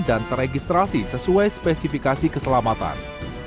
dan teregistrasi sesuai spesifikasi keselamatan